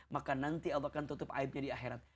maka nanti allah akan tutup aibnya di akhirat